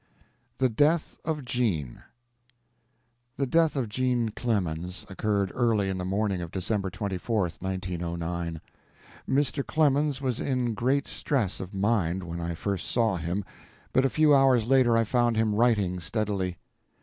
THE DEATH OF JEAN The death of Jean Clemens occurred early in the morning of December 24, 1909. Mr. Clemens was in great stress of mind when I first saw him, but a few hours later I found him writing steadily.